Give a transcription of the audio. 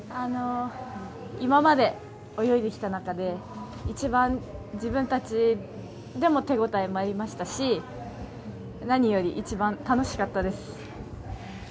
今まで泳いできた中で、一番自分たちでも手応えもありましたし、何より一番楽しかったです。